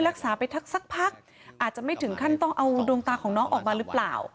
รักษาไปสักพักอาจจะไม่ถึงขั้นต้องเอาดวงตาของน้องออกมาหรือเปล่า